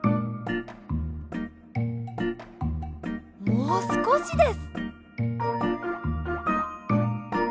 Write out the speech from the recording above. もうすこしです。